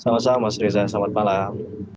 selamat malam mas riza selamat malam